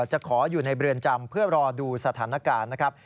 จะขออยู่ในเรือนจำเพื่อรอดูสถานการณ์นะครับ